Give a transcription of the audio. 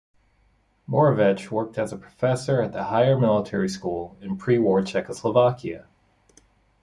Moravec worked as a professor at the higher military school in pre-war Czechoslovakia.